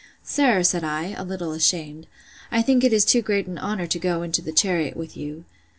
—Sir, said I, (a little ashamed,) I think it is too great an honour to go into the chariot with you.